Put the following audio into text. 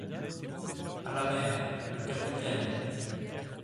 À la mer, le capitaine!